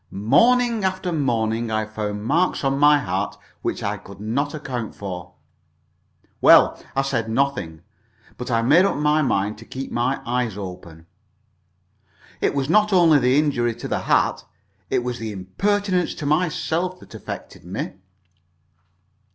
Morning after morning I found marks on my hat which I could not account for. Well, I said nothing, but I made up my mind to keep my eyes open. It was not only the injury to the hat it was the impertinence to myself that affected me.